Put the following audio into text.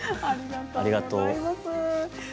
ありがとう。